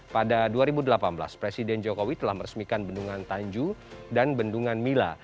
pada dua ribu delapan belas presiden jokowi telah meresmikan bendungan tanju dan bendungan mila